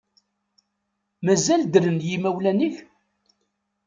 Mazal ddren yimawlen-ik?